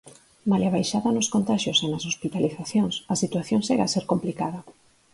Malia a baixada nos contaxios e nas hospitalizacións, a situación segue a ser complicada.